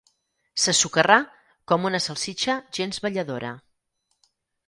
Se socarrà com una salsitxa gens balladora.